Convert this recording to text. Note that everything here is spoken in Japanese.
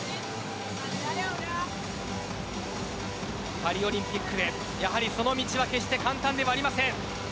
パリオリンピックへその道は決して簡単ではありません。